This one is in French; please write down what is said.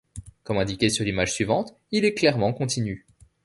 Comme indiqué sur l'image suivante, il est clairement continu.